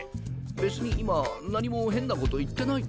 別に今何も変なこと言ってないだろう？